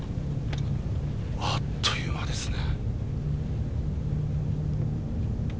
あっという間ですね。